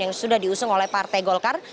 yang sudah diusung oleh partai golkar